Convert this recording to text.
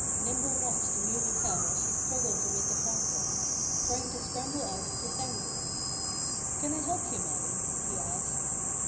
Nimble watched the Muley Cow as she struggled amid the hawthorns, trying to scramble out of the tangle. "Can I help you, madam?" he asked.